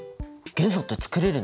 元素って作れるの？